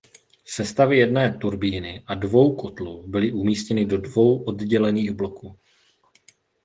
Sestavy jedné turbíny a dvou kotlů byly umístěny do dvou oddělených bloků.